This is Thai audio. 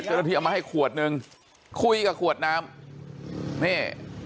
เจ้าหน้าที่เอามาให้ขวดหนึ่งคุยกับขวดน้ำนี่